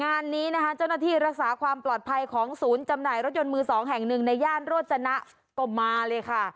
งานนี้นะคะเจ้าหน้าที่รักษาความปลอดภัยของศูนย์จำหน่ายรถยนต์มือสองแห่งหนึ่งในย่านโรจนะก็มาเลยค่ะ